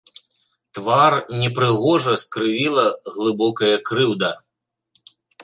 Твар непрыгожа скрывіла глыбокая крыўда.